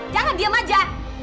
jangan diem aja